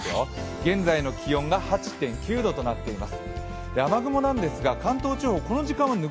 現在の気温が８．９度となっています